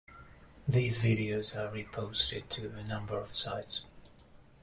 These videos are re-posted to a number of sites.